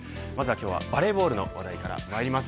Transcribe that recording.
今日はバレーボールの話題から参ります。